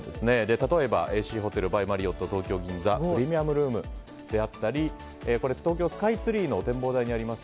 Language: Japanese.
例えばＡＣホテル・バイ・マリオット東京銀座のプレミアムルームであったり東京スカイツリーの天望デッキにあります